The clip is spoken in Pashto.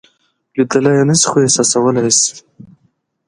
لیدلی یې نشئ خو احساسولای یې شئ.